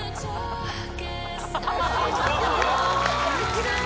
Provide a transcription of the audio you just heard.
きれい！